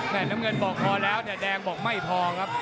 น้ำเงินบอกพอแล้วแต่แดงบอกไม่พอครับ